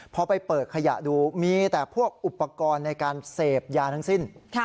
พอไปเปิดขยะดูมีแต่พวกอุปกรณ์ในการเสพยาทั้งสิ้น